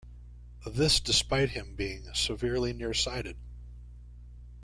This despite him being severely near-sighted.